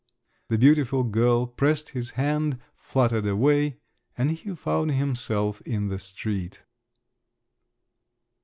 The beautiful girl pressed his hand, fluttered away, and he found himself in the street.